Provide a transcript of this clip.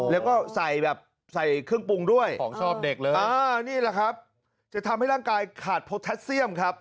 แล้วก็ใส่เครื่องปรุงด้วยนี่แหละครับจะทำให้ร่างกายขาดโพแทสเซียมครับ